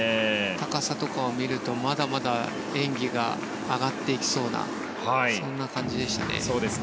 高さとかを見るとまだまだ演技が上がっていきそうなそんな感じでしたね。